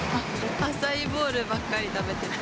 アサイーボウルばっかり食べてて。